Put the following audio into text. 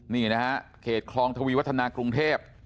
นี่นะฮะเขตคลองทวีวัฒนากรุงเทพ